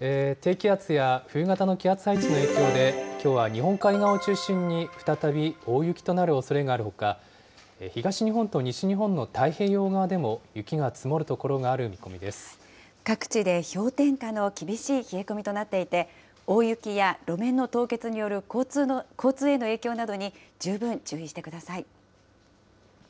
低気圧や冬型の気圧配置の影響で、きょうは日本海側を中心に再び大雪となるおそれがあるほか、東日本と西日本の太平洋側でも雪が積各地で氷点下の厳しい冷え込みとなっていて、大雪や路面の凍結による交通への影響などに十分注意してください。